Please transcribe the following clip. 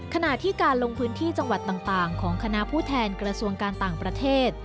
ขณะที่การลงพื้นที่จังหวัดต่างของคณะผู้แทนกระทรวงการต่างประเทศ